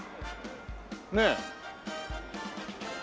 ねえ。